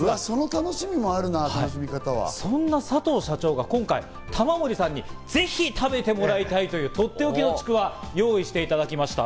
そんな佐藤社長が今回、玉森さんにぜひ食べてもらいたいという、とっておきのちくわを用意してもらいました。